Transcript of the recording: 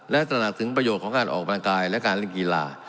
และตระหนักถึงประโยชน์ของการออกกำลังกายและการเล่นกีฬา